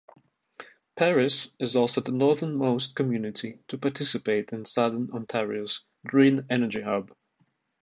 Paris is also the northernmost community to participate in Southern Ontario's Green Energy Hub.